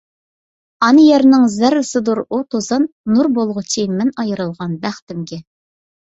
ئانا يەرنىڭ زەررىسىدۇر ئۇ توزان، نۇر بولغۇچى، مەن ئايرىلغان بەختىمگە!